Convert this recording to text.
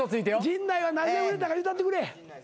陣内はなぜ売れたか言うたってくれ。